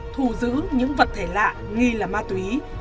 thù giữ những vật thể lạ nghi là ma túy